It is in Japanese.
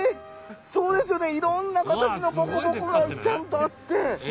そうですよねいろんな形のボコボコがちゃんとあって。